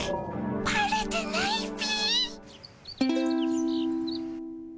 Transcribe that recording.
バレてないっピ？